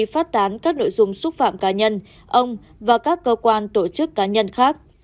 phát tán các nội dung xúc phạm cá nhân ông và các cơ quan tổ chức cá nhân khác